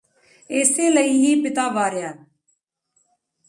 ਏਸੇ ਲਈ ਹੀ ਪਿਤਾ ਵਾਰਿਆ